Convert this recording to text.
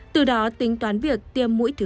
từ đó tính toán việc tiêm mũi thứ ba